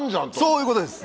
そういうことです！